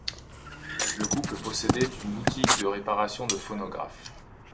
Le couple possédait une boutique de réparation de phonographes.